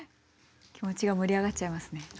気持ちが盛り上がっちゃいますね。